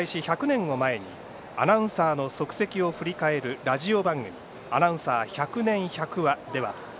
１００年を前にアナウンサーの足跡を振り返るラジオ番組「アナウンサー百年百話」